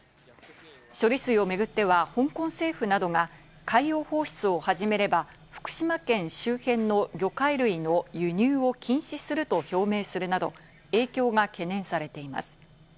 処理水を巡っては香港政府などが海洋放出を始めれば、福島県周辺の魚介類の輸入を禁止すると表明するなど、影響が懸念されています。